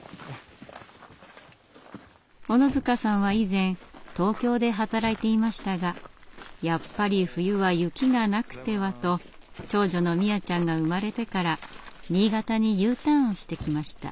小野塚さんは以前東京で働いていましたがやっぱり冬は雪がなくてはと長女の実椰ちゃんが生まれてから新潟にＵターンしてきました。